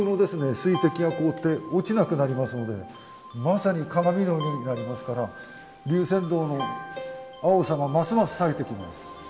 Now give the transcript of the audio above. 水滴が凍って落ちなくなりますのでまさに鏡のようになりますから龍泉洞の青さがますますさえてきます。